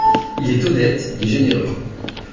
Il est honnête, il est généreux.